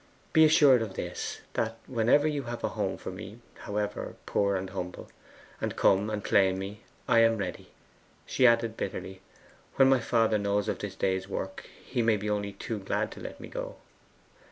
Be assured of this, that whenever you have a home for me however poor and humble and come and claim me, I am ready.' She added bitterly, 'When my father knows of this day's work, he may be only too glad to let me go.